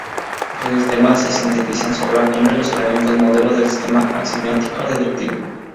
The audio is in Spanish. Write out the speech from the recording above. Su sistema se sintetiza en su obra cumbre, "Los elementos", modelo de sistema axiomático-deductivo.